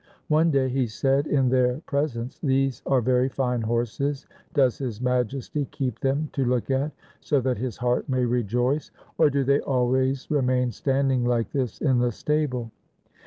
One day he said in their presence, ' These are very fine horses. Does his Majesty keep them to look at, so that his heart may rejoice ; or do they always remain standing like this in the stable